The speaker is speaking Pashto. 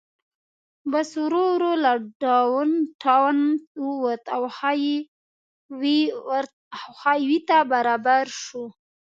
بس ورو ورو له ډاون ټاون ووت او های وې ته برابر شو.